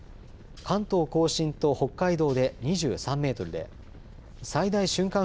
関東甲信と北海道で２３メートルで最大瞬間